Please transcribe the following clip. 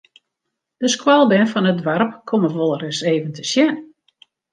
De skoalbern fan it doarp komme wolris even te sjen.